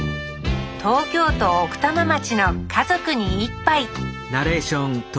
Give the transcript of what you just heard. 東京都奥多摩町の「家族に一杯」